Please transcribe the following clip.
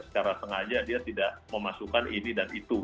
secara sengaja dia tidak memasukkan ini dan itu